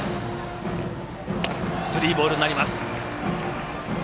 スリーボールになります。